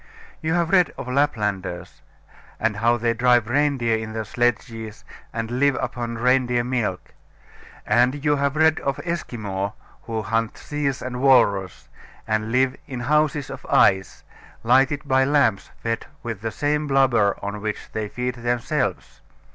You have read of Laplanders, and how they drive reindeer in their sledges, and live upon reindeer milk; and you have read of Esquimaux, who hunt seals and walrus, and live in houses of ice, lighted by lamps fed with the same blubber on which they feed themselves.